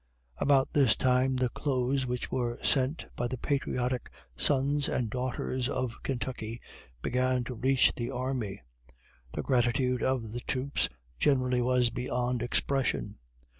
About this time the clothes which were sent by the patriotic sons and daughters of Kentucky, began to reach the army. The gratitude of the troops generally was beyond expression.